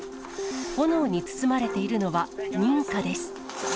炎に包まれているのは民家です。